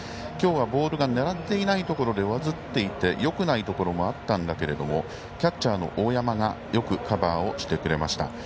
今日はボールが狙っていないところで上ずっていてよくないところもあったんだけれどもキャッチャーの大山がよくカバーをしてくれました。